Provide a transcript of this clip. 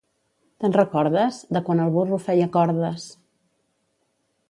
—Te'n recordes? —De quan el burro feia cordes.